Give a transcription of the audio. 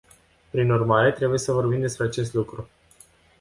Prin urmare, trebuie să vorbim despre acest lucru.